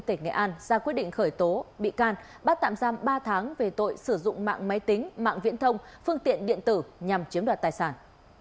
tỉnh nghệ an ra quyết định khởi tố bị can bắt tạm giam ba tháng về tội sử dụng mạng máy tính mạng viễn thông phương tiện điện tử nhằm chiếm đoạt tài sản